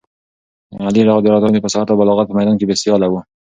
علي رض د فصاحت او بلاغت په میدان کې بې سیاله و.